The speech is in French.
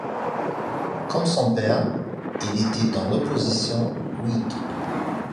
Comme son père, il était dans l'opposition Whig.